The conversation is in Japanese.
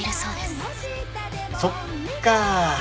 そっかぁ。